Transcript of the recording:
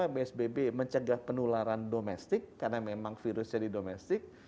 psbb mencegah penularan domestik karena memang virus jadi domestik